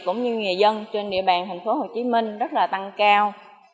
cũng như người dân trên địa bàn tp hcm rất là tăng cao